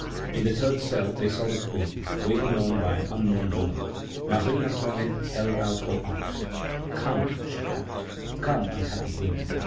In the third cell they saw the Queen, waited on by an unknown woman. Marie Antoinette held out her arms. "Come!" she cried; "come, unhappy women!